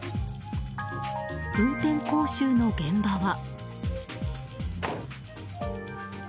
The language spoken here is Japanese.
運転講習の現場は。